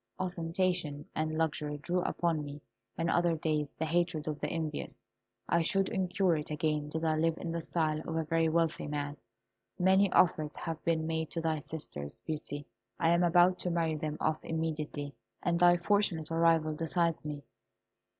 Ostentation and luxury drew upon me, in other days, the hatred of the envious; I should incur it again did I live in the style of a very wealthy man. Many offers have been made to thy sisters, Beauty; I am about to marry them off immediately, and thy fortunate arrival decides me.